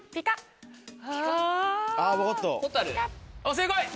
正解！